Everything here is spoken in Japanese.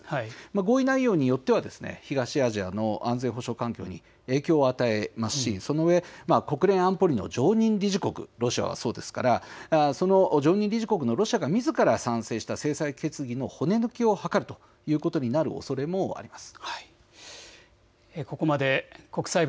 合意内容によっては東アジアの安全保障環境に影響を与えますしそのうえ国連安保理の常任理事国、ロシアはそうですから、その常任理事国のロシアみずからが賛成した経済決議の骨抜きを図るおそれもあると見られます。